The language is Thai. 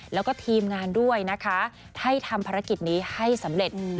แล้วก็ทีมงานด้วยนะคะให้ทำภารกิจนี้ให้สำเร็จ